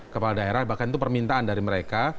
kepala daerah bahkan itu permintaan dari mereka